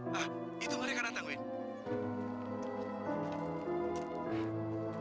hah itu mereka datang wen